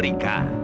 ya itu ya